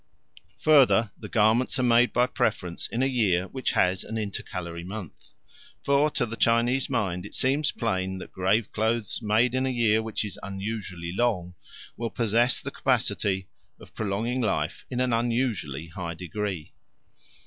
Further, the garments are made by preference in a year which has an intercalary month; for to the Chinese mind it seems plain that grave clothes made in a year which is unusually long will possess the capacity of prolonging life in an unusually high degree.